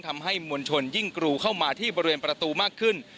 ทำให้มวลชนยิ่งกรูเข้ามาที่บริเวณประตูมากขึ้น